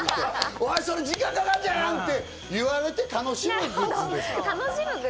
お前、それ時間かかんだよ！って言われて楽しむグッズです。